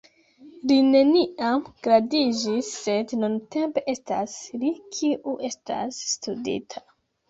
Li neniam gradiĝis, sed nuntempe estas li kiu estas studita.